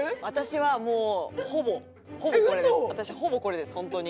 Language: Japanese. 私ほぼこれですホントに。